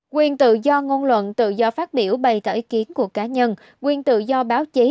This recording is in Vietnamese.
quyền tự do ngôn luận tự do phát biểu bày tỏ ý kiến của cá nhân quyền tự do báo chí